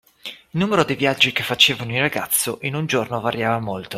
Il numero dei viaggi che faceva ogni ragazzo in un giorno variava molto